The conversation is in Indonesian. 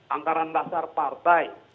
angkaran dasar partai